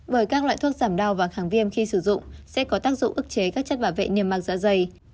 bởi các loại thuốc giảm đau và kháng viêm khi sử dụng sẽ có tác dụng ức chế các chất bảo vệ niêm măng dạ dày